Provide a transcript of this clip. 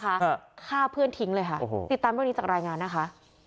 ฆ่าเพื่อนทิ้งเลยค่ะติดตามรายงานนี้จากรายงานนะคะ